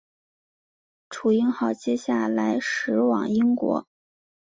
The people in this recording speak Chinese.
耆英号接下来驶往英国。